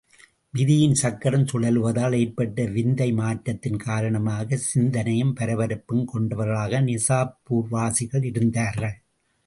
விதியின் சக்கரம் சுழலுவதால் ஏற்பட்ட விந்தை மாற்றத்தின் காரணமாகச் சிந்தனையும் பரபரப்பும் கொண்டவர்களாக நிசாப்பூர்வாசிகள் இருந்தார்கள்.